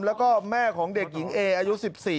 แล้วก็แม่ของเด็กหญิงเออายุ๑๔